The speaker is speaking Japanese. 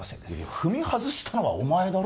踏み外したのはお前だろ？